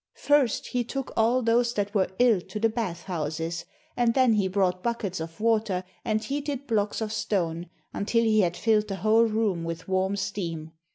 First he took all those that were ill to the bath houses, and then he brought buckets of water and heated blocks of stone until he had filled the whole room with warm steam.